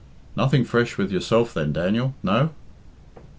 "Nothing fresh with yourself then, Daniel? No?"